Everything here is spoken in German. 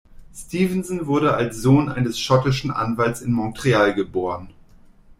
Stevenson wurde als Sohn eines schottischen Anwalts in Montreal geboren.